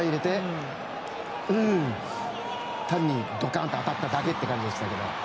単にドカンと当たっただけって感じでしたけど。